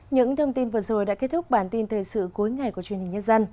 những thông tin vừa rồi đã kết thúc bản tin thời sự cuối ngày của truyền thông